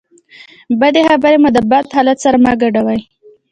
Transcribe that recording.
بدې خبرې مو د بد حالت سره مه ګډوئ.